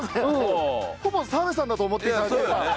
ほぼ澤部さんだと思っていただければ。